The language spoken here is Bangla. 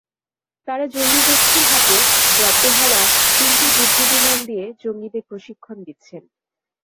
তাঁরা জঙ্গিগোষ্ঠীর হাতে জব্দ হওয়া তিনটি যুদ্ধবিমান দিয়ে জঙ্গিদের প্রশিক্ষণ দিচ্ছেন।